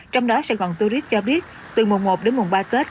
trong đó sài gòn turis cho biết từ mùa một đến mùa ba kết